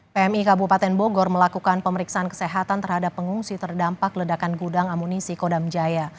pmi kabupaten bogor melakukan pemeriksaan kesehatan terhadap pengungsi terdampak ledakan gudang amunisi kodam jaya